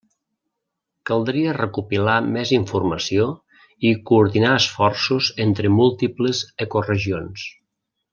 Caldria recopilar més informació i coordinar esforços entre múltiples ecoregions.